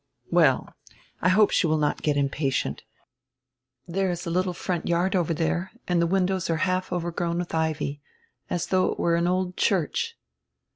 "Well, I hope she will not get impatient. There is a little front yard over there and the windows are half over grown with ivy, as diough it were an old church."